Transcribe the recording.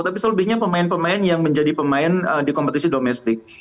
tapi selebihnya pemain pemain yang menjadi pemain di kompetisi domestik